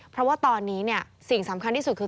เพราะว่าตอนนี้สิ่งสำคัญที่สุดคือ